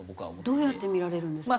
どうやって見られるんですか？